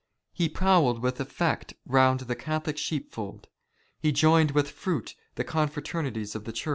He prowled with effect round the Catholic sheepfold. He joined " with fruit " the confraternities of the Church.